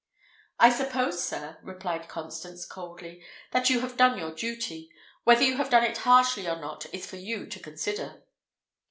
"I suppose, sir," replied Constance, coldly, "that you have done your duty. Whether you have done it harshly or not is for you to consider."